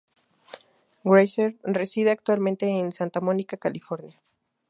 Grazer reside actualmente en Santa Mónica, California.